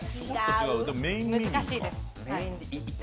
難しいです。